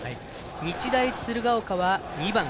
日大鶴ヶ丘は２番。